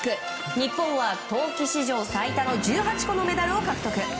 日本は冬季史上最多の１８個のメダルを獲得。